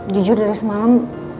jujur dari semalam